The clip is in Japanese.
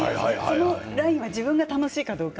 そのラインは自分が楽しいかどうかと。